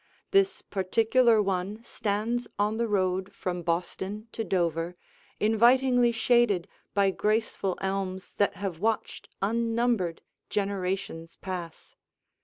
This particular one stands on the road from Boston to Dover, invitingly shaded by graceful elms that have watched unnumbered generations pass.